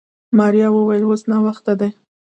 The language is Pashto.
ماريا وويل اوس ناوخته دی.